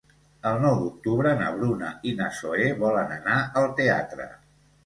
El nou d'octubre na Bruna i na Zoè volen anar al teatre.